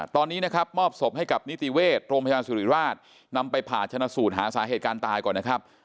ตอนนี้นะครับมอบศพให้กับนิติเวชโรงพยาบาลสุริราชนำไปผ่าชนะสูตรหาสาเหตุการณ์ตายก่อนนะครับ